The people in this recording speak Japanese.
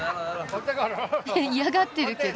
嫌がってるけど。